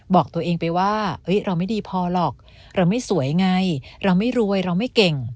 บอกตัวเองไปว่าเราไม่ดีพอหรอกเราไม่สวยไงเราไม่รวยเราไม่เก่ง